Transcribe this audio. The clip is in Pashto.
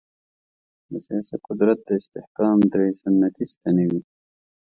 د سیاسي قدرت د استحکام درې سنتي ستنې وې.